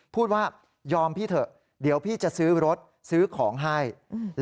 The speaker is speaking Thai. พูดว่ายอมพี่เถอะเดี๋ยวพี่จะซื้อรถซื้อของให้อืม